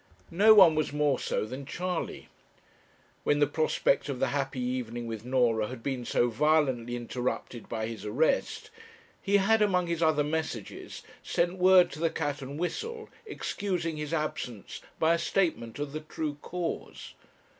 No one was more so than Charley. When the prospect of the happy evening with Norah had been so violently interrupted by his arrest, he had, among his other messages, sent word to the 'Cat and Whistle,' excusing his absence by a statement of the true cause.